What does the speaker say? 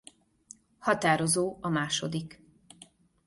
Határozó a második.